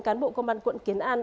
cán bộ công an quận kiến an